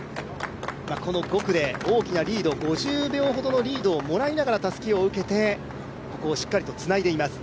この５区で大きなリード、５０秒ほどのリードをもらいながらたすきを受けて、ここをしっかりとつないでいます。